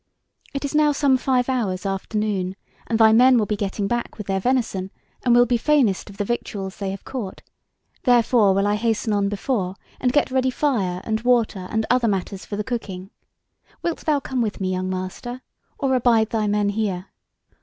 It is now some five hours after noon, and thy men will be getting back with their venison, and will be fainest of the victuals they have caught; therefore will I hasten on before, and get ready fire and water and other matters for the cooking. Wilt thou come with me, young master, or abide thy men here?"